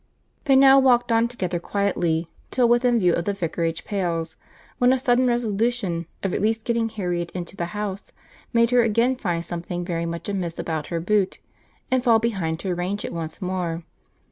They now walked on together quietly, till within view of the vicarage pales, when a sudden resolution, of at least getting Harriet into the house, made her again find something very much amiss about her boot, and fall behind to arrange it once more.